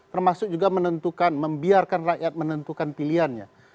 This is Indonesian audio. termasuk juga menentukan membiarkan rakyat menentukan pilihannya